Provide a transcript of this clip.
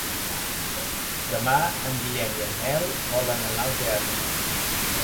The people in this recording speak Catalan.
Demà en Guillem i en Nel volen anar al teatre.